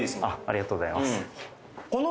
ありがとうございます